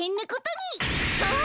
そう！